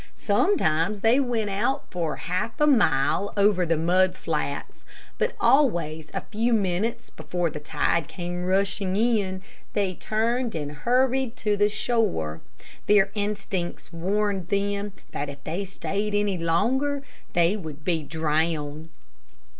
Sometimes they went out for half a mile over the mud flats, but always a few minutes before the tide came rushing in they turned and hurried to the shore. Their instincts warned them that if they stayed any longer they would be drowned.